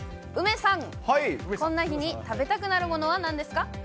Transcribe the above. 梅さん、こんな日に食べたくなるものはなんですか？